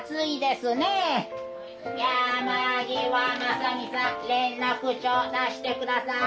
山際正己さん連絡帳出して下さい。